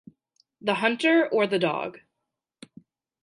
The hunter or the dog?